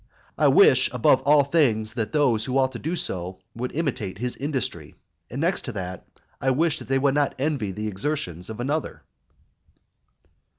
I wish, above all things, that those who ought to do so would imitate his industry, and, next to that, I wish that they would not envy the exertions of another.